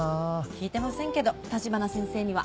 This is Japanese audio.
聞いてませんけど橘先生には。